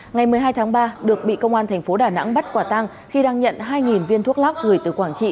ngày một mươi hai tháng ba được bị công an tp đà nẵng bắt quả tang khi đang nhận hai viên thuốc lắc gửi từ quảng trị